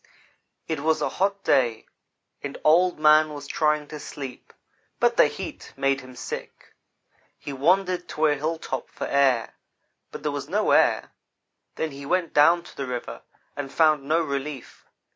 "It was a hot day, and Old man was trying to sleep, but the heat made him sick. He wan dered to a hilltop for air; but there was no air. Then he went down to the river and found no relief.